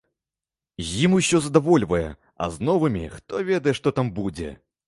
З ім усё задавольвае, а з новымі, хто ведае, што там будзе.